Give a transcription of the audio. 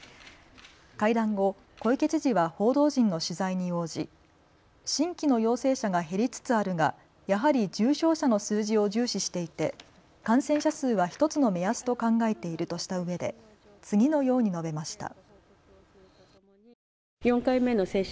会談後、小池知事は報道陣の取材に応じ、新規の陽性者が減りつつあるがやはり重症者の数字を重視していて感染者数は１つの目安と考えているとしたうえで次のように述べました。